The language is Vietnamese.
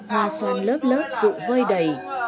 hoa xoan lớp lớp rụ vơi đầy